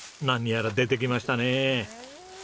何やら出てきましたねえ。